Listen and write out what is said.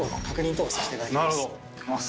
等させていただきます。